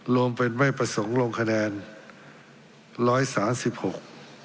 รวมเป็นไม่ประสงค์ลงคะแนนร้อยสามสิบหก